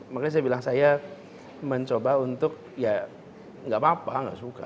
makanya saya bilang saya mencoba untuk ya nggak apa apa nggak suka